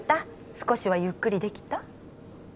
少しはゆっくりできた？